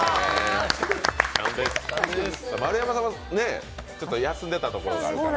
丸山さんが休んでたところがあるから。